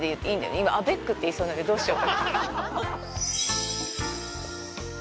今アベックって言いそうになってどうしよう。